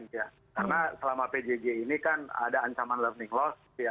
karena selama pjg ini kan ada ancaman learning loss